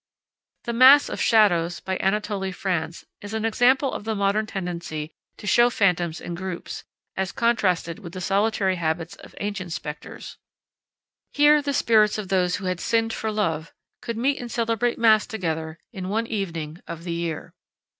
The Mass of Shadows, by Anatole France, is an example of the modern tendency to show phantoms in groups, as contrasted with the solitary habits of ancient specters. Here the spirits of those who had sinned for love could meet and celebrate mass together in one evening of the year.